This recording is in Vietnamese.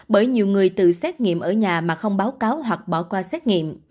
bởi nhiều người tự xét nghiệm ở nhà mà không báo cáo hoặc bỏ qua xét nghiệm